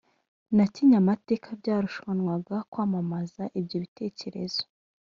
na kinyamateka byarushanwaga kwamamaza ibyo bitekerezo